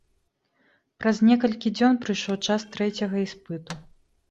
Праз некалькі дзён прыйшоў час трэцяга іспыту.